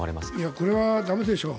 これは駄目でしょう。